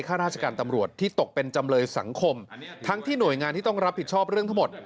ข้าราชการตำรวจที่ตกเป็นจำเลยสังคมทั้งที่หน่วยงานที่ต้องรับผิดชอบเรื่องทั้งหมด